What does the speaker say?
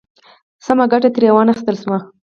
سمه ګټه ترې وا نخیستل شوه.